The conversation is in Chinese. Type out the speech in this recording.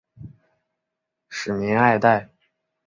吏民爱戴。